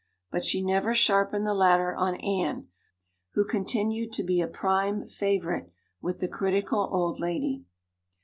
But she never sharpened the latter on Anne, who continued to be a prime favorite with the critical old lady.